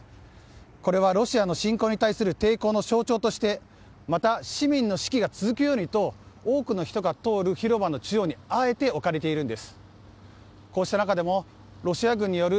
これはロシアの侵攻に対する抵抗の象徴としてまた、市民の士気が続くようにと多くの人が通る広場の中央にあえて置かれているんです。